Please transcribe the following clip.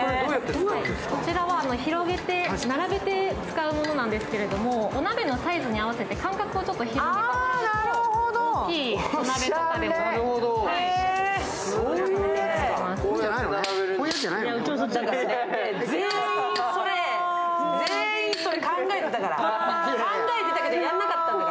こちらは広げて並べて使うものなんですけど、お鍋のサイズに合わせて間隔をちょっと広げて大きいお鍋とかでも使えます。